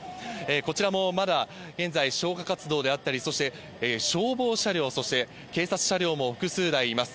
こちらもまだ現在、消火活動であったり、そして、消防車両、そして警察車両も複数台います。